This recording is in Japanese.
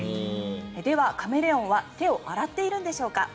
では、カメレオンは手を洗っているんでしょうか。